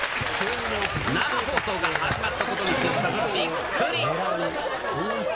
生放送が始まったことに気付き、びっくり。